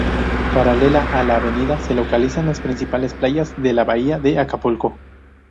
Paralela a la avenida, se localizan las principales playas de la bahía de Acapulco.